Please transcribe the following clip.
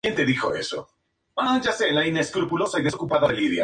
Comenzó sus estudios en la preparatoria Kellogg College en Míchigan.